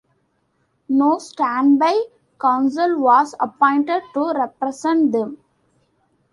No standby counsel was appointed to represent them.